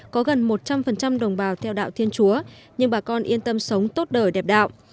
có gần một trăm linh đồng bào theo đạo thiên chúa nhưng bà con yên tâm sống tốt đời đẹp đạo